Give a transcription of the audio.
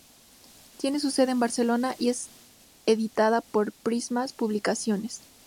Tiene su sede en Barcelona y es editada por Prisma Publicaciones.